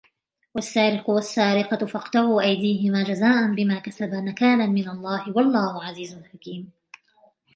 والسارق والسارقة فاقطعوا أيديهما جزاء بما كسبا نكالا من الله والله عزيز حكيم